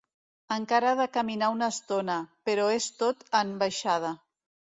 Encara ha de caminar una estona, però és tot en baixada.